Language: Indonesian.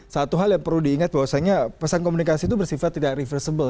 satu hal yang perlu diingat bahwasanya pesan komunikasi itu bersifat tidak reversable